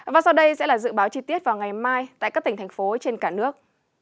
và sau đây sẽ là dự báo chi tiết vào ngày mai tại các tỉnh thành phố trên cả nước